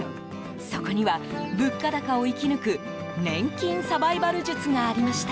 そこには物価高を生き抜く年金サバイバル術がありました。